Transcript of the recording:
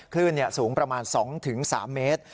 คลื่นสูงประมาณ๒๓เมตร